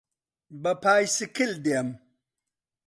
بە پایسکل دێم.